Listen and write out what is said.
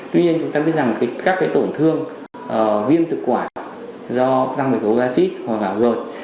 tuy nhiên chúng ta biết rằng các tổn thương viêm thực quản do thăng bình khẩu oaxid hoặc gợt